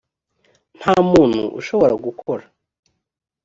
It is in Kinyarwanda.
nta muntu ushobora gukora